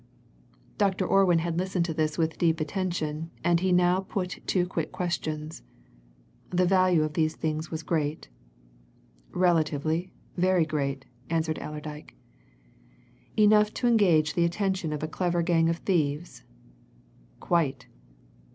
Dr. Orwin had listened to this with deep attention, and he now put two quick questions. "The value of these things was great?" "Relatively, very great," answered Allerdyke. "Enough to engage, the attention of a clever gang of thieves?" "Quite!"